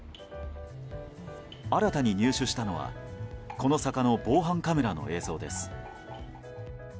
新たに入手したのはこの坂の防犯カメラの映像です。